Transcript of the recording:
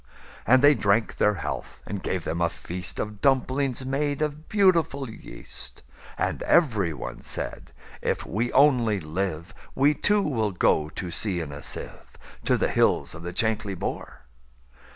And they drank their health, and gave them a feastOf dumplings made of beautiful yeast; And every one said, "If we only live, We, too, will go to sea in a sieve, To the hills of the Chankly Bore."